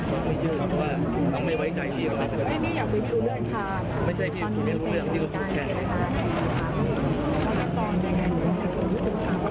ก็จะมีนานสำนักงาน